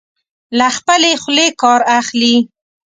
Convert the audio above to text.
له خپلې خولې کار اخلي.